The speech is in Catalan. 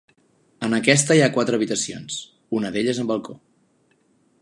En aquesta hi ha quatre habitacions, una d’elles amb balcó.